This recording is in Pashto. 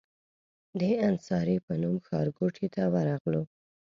د انصاري په نوم ښارګوټي ته ورغلو.